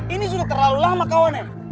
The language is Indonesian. ini sudah terlalu lama kawannya